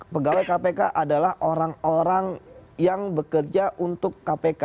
pegawai kpk adalah orang orang yang bekerja untuk kpk